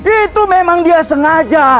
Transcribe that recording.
itu memang dia sengaja